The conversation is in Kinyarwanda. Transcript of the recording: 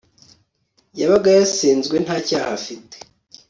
yabaga yasenzwe nta cyaha afite